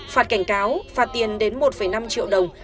phạt cảnh cáo phạt tiền đến một năm triệu đồng